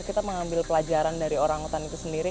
kita mengambil pelajaran dari orangutan itu sendiri